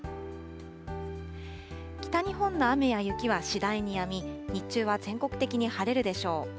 北日本の雨や雪は次第にやみ、日中は全国的に晴れるでしょう。